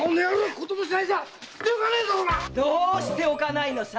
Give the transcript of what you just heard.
どう捨ておかないのさ？